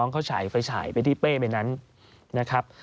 เขาฉายไฟฉายไปที่เป้ไปนั้น